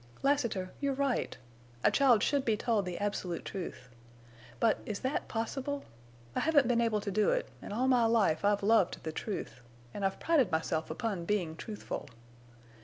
"Lassiter, you're right. A child should be told the absolute truth. But—is that possible? I haven't been able to do it, and all my life I've loved the truth, and I've prided myself upon being truthful.